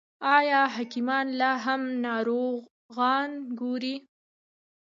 آیا حکیمان لا هم ناروغان ګوري؟